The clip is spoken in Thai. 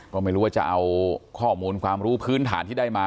ก็ไม่รู้ว่าจะเอาข้อมูลความรู้พื้นฐานที่ได้มา